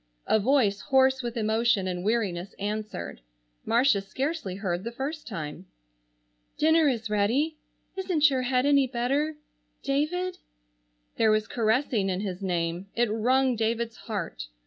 A voice hoarse with emotion and weariness answered. Marcia scarcely heard the first time. "Dinner is ready. Isn't your head any better,—David?" There was caressing in his name. It wrung David's heart.